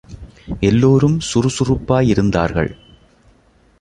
எல்லோரும் சுறுசுறுப்பாய் இருந்தார்கள்.